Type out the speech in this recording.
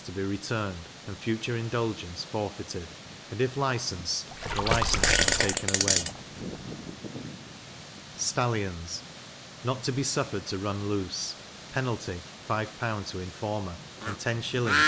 to be returned, and future indulgence forfeited; and, if licensed, the license to be taken away. Stallions not to be suffered to run loose; penalty, 5L. to informer, and 10s.